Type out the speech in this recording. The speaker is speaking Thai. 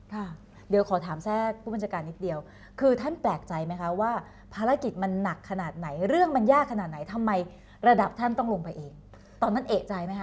ค่ะเดี๋ยวขอถามแทรกผู้บัญชาการนิดเดียวคือท่านแปลกใจไหมคะว่าภารกิจมันหนักขนาดไหนเรื่องมันยากขนาดไหนทำไมระดับท่านต้องลงไปเองตอนนั้นเอกใจไหมคะ